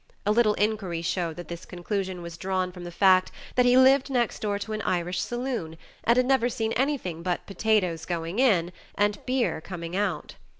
A little inquiry showed that this conclusion was drawn from the fact that he lived next to an Irish saloon and had never seen anything but potatoes going in and beer coming out.